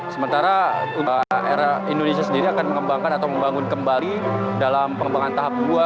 sementara indonesia sendiri akan mengembangkan atau membangun kembali dalam pengembangan tahap dua